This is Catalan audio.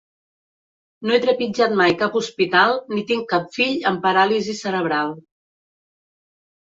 No he trepitjat mai cap hospital ni tinc cap fill amb paràlisi cerebral.